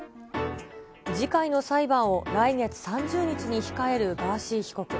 次回の裁判を来月３０日に控えるガーシー被告。